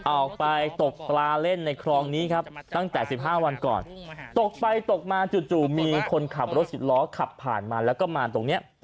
ออกไปตกปลาเล่นในคลองนี้ครับตั้งแต่๑๕วันก่อนตกไปตกมาจู่มีคนขับรถสิบล้อขับผ่านมาแล้วก็มาตรงนี้